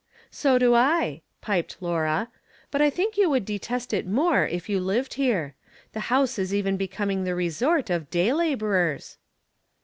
" So do I," piped Laura. " But I think you would detest it more if you lived here. The house is even becoming the resort of day la borers."